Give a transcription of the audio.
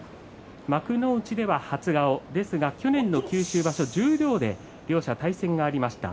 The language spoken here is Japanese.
幕内では初顔ですが、去年の九州場所十両で両者、対戦がありました。